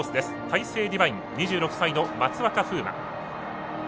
タイセイディバイン２６歳の松若風馬。